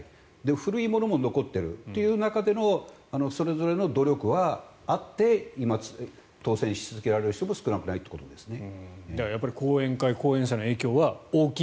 古いものも残っているという中でのそれぞれの努力はあって当選し続けられる人も少なくないということですね。